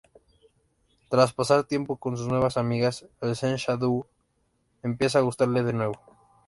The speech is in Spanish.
Tras pasar tiempo con sus nuevas amigas, el Sensha-dō empieza a gustarle de nuevo.